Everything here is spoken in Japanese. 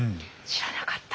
知らなかった。